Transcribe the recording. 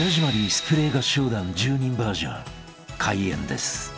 スプレー合唱団１０人バージョン開演です］